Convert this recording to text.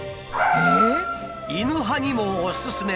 「犬派にもおすすめ！